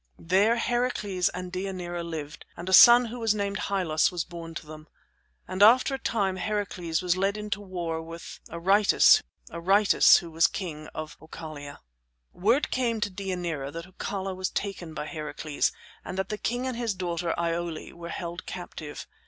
There Heracles and Deianira lived, and a son who was named Hyllos was born to them. And after a time Heracles was led into a war with Eurytus Eurytus who was king of Oichalia. Word came to Deianira that Oichalia was taken by Heracles, and that the king and his daughter Iole were held captive.